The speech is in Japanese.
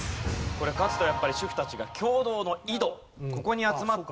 これかつてはやっぱり主婦たちが共同の井戸ここに集まって。